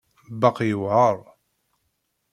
Baqi yewεer.